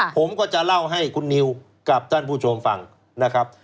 ผมก็จะเล่าให้คุณนิวกับท่านผู้ชมฟังนะครับ